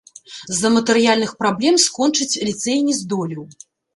З-за матэрыяльных праблем скончыць ліцэй не здолеў.